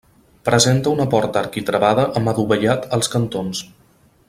Presenta una porta arquitravada amb adovellat als cantons.